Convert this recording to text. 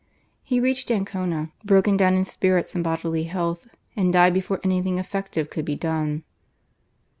He reached Ancona broken down in spirits and bodily health, and died before anything effective could be done.